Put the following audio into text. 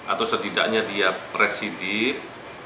atau setidaknya dia presiden